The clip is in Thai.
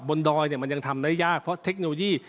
ดอยเนี่ยมันยังทำได้ยากเพราะเทคโนโลยี